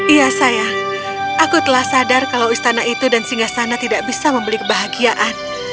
iya sayang aku telah sadar kalau istana itu dan singgah sana tidak bisa membeli kebahagiaan